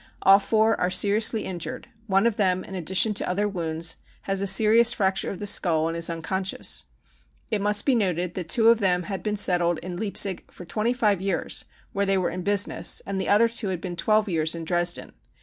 Ail four are seriously injured ; one of them, in addition to other wounds, has a serious fracture of the skull and is unconscious. It must be noted that two of them had been settled in Leipzig for 25 years, where they were in business, and the other two had been 12 years in Dresden.